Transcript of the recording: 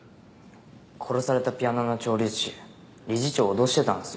殺されたピアノの調律師理事長を脅してたんですよ。